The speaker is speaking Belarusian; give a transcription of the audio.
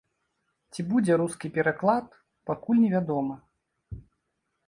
Ці будзе рускі пераклад, пакуль невядома.